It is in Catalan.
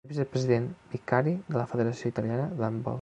És vicepresident vicari de la Federació Italiana d'Handbol.